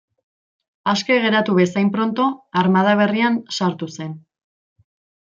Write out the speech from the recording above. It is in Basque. Aske geratu bezain pronto, armada berrian sartu zen.